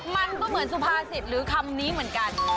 มันก็เหมือนสุภาษิตหรือคำนี้เหมือนกัน